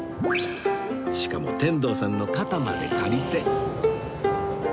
しかも天童さんの肩まで借りて